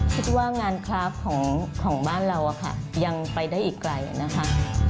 คิดว่างานคราฟของบ้านเรายังไปได้อีกไกลนะคะ